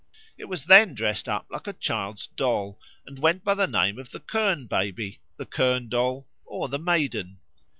It was then dressed up like a child's doll and went by the name of the kirn baby, the kirn doll, or the Maiden.